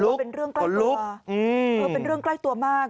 มันเป็นเรื่องใกล้ลบเป็นเรื่องใกล้ตัวมาก